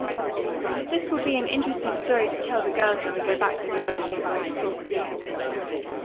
"That will be an interesting story to tell the girls when we go back to college," said Grace thoughtfully.